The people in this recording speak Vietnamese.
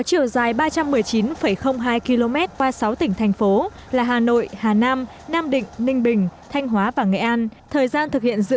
chiều dài ba trăm một mươi chín hai km qua sáu tỉnh thành phố là hà nội hà nam nam định ninh bình thanh hóa và nghệ an thời gian thực hiện dự